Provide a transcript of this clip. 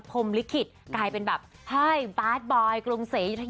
กลายเป็นแบบไฮบาร์ดบอยกรุงเศรษฐยา